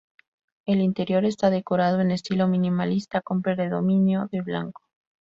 El interior esta decorado en estilo minimalista, con predominio del blanco.